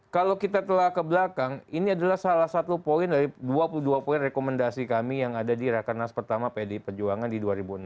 kalau kita telah ke belakang ini adalah salah satu poin dari dua puluh dua poin rekomendasi kami yang ada di rakernas pertama pdi perjuangan di dua ribu enam belas